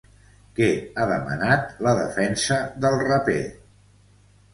Què ha demanat la defensa del raper?